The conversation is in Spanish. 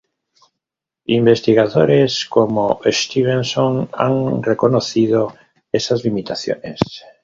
Investigadores como Stevenson han reconocido esas limitaciones.